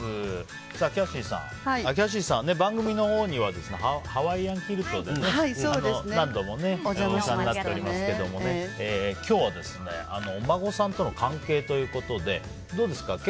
キャシーさんは番組のほうにはハワイアンキルトでね何度もお世話になっていますが今日、お孫さんとの関係ということでどうですか？